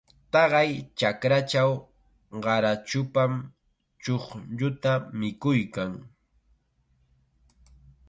Taqay chakrachaw qarachupam chuqlluta mikuykan.